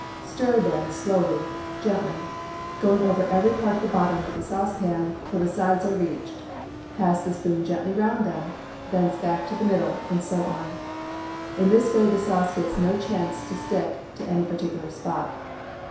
Stir, then, slowly, gently, going over every part of the bottom of the saucepan till the sides are reached, pass the spoon gently round them, thence back to the middle, and so on. In this way the sauce gets no chance to stick to any particular spot.